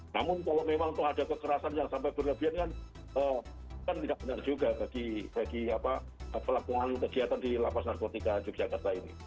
namun kalau memang itu ada kekerasan yang sampai berlebihan kan tidak benar juga bagi pelaku kegiatan di lapas narkotika yogyakarta ini